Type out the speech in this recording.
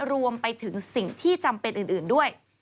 รวมไปถึงสิ่งที่จำเป็นอื่นด้วย